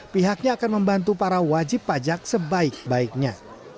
pihaknya akan membantu para wajib pajak sebaik baiknya